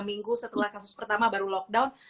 minggu setelah kasus pertama baru lockdown